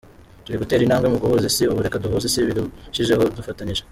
Turi gutera intambwe mu guhuza Isi, ubu reka duhuze Isi birushijeho dufatanyije.